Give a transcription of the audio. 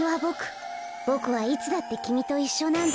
ボクはいつだってきみといっしょなんだよ。